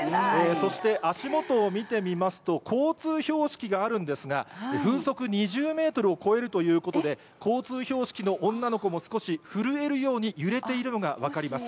そして足元を見てみますと、交通標識があるんですが、風速２０メートルを超えるということで、交通標識の女の子も少し震えるように揺れているのが分かります。